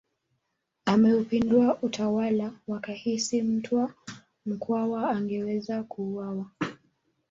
Ameupindua utawala wakahisi Mtwa Mkwawa angeweza kuuawa